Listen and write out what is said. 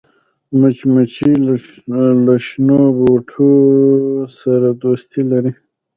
مچمچۍ له شنو بوټو سره دوستي لري